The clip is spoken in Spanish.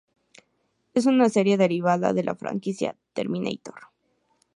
Es una serie derivada de la franquicia "Terminator".